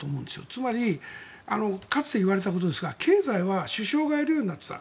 つまりかつて言われたことですが経済は首相がやるようになっていた。